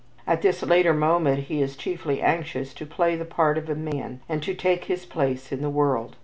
At this later moment he is chiefly anxious to play the part of a man and to take his place in the world.